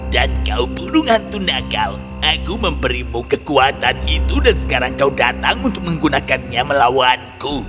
dan kau punung hantu nagal aku memberimu kekuatan itu dan sekarang kau datang untuk menggunakannya melawanku